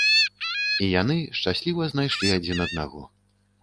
І яны шчасліва знайшлі адзін аднаго.